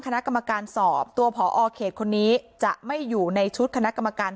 คณะกรรมการสอบตัวผอเขตคนนี้จะไม่อยู่ในชุดคณะกรรมการ